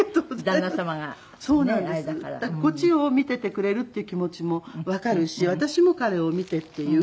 だからこっちを見ててくれるっていう気持ちもわかるし私も彼を見てっていう。